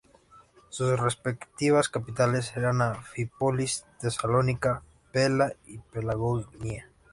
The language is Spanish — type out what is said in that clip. Sus respectivas capitales eran Anfípolis, Tesalónica, Pela y Pelagonia.